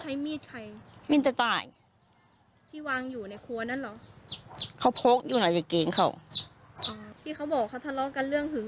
หนูก็ไม่รู้